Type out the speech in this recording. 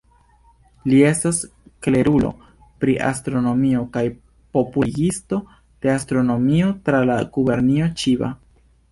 Li estas klerulo pri astronomio kaj popularigisto de astronomio tra la gubernio Ĉiba.